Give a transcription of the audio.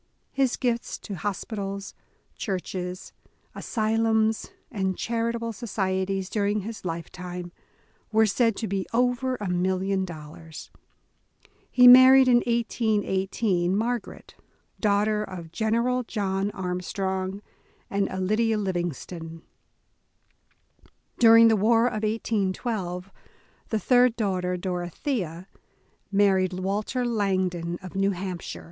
His gifts to hospitals, churches, asylums, and charitable societies during his lifetime, were said to be over a million dollars. He married in 1818, Margaret, daughter of General John Armstrong and Alida Livingston. During the war of 1812, the third daughter, Dor othea, married Walter Langdon of New Hampshire.